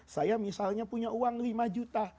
saya misalnya punya uang lima juta